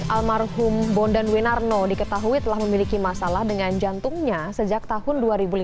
almarhum bondan winarno diketahui telah memiliki masalah dengan jantungnya sejak tahun dua ribu lima belas